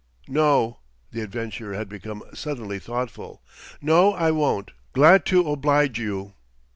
"No." The adventurer had become suddenly thoughtful. "No, I won't. 'Glad to oblige you."